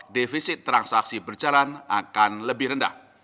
defisit transaksi berjalan akan lebih rendah